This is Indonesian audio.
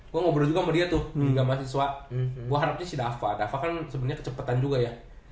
gue ngobrol juga sama dia tuh tinggal mahasiswa gue harapnya si dava dava kan sebenernya kecepetan juga ya